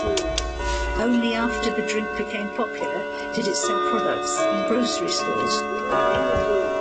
Only after the drink became popular did it sell products in grocery stores.